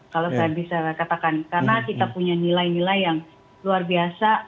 kalau saya bisa katakan karena kita punya nilai nilai yang luar biasa